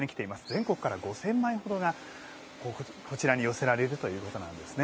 全国から５０００枚程がこちらに寄せられるということなんですね。